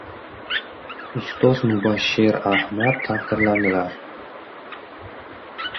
Ustoz Mubashshir Ahmad taqdirlandilar